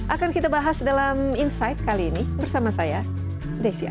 akan kita bahas dalam insight kali ini bersama saya desi anwar